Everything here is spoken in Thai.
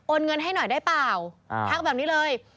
เงินให้หน่อยได้เปล่าทักแบบนี้เลย